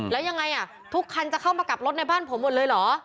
แล้วยังไงทุกคันจะเข้ามากลับรถในบ้านผมหมดเลยเหรอ